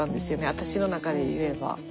私の中で言えば。